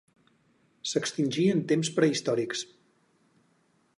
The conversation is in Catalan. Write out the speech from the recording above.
S'extingí en temps prehistòrics.